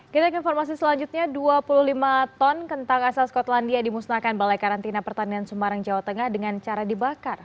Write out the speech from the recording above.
kita ke informasi selanjutnya dua puluh lima ton kentang asal skotlandia dimusnahkan balai karantina pertanian semarang jawa tengah dengan cara dibakar